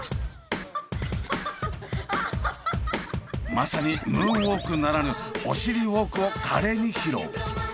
まさにムーンウォークならぬおしりウォークを華麗に披露！